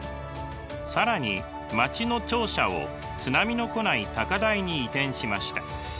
更に町の庁舎を津波の来ない高台に移転しました。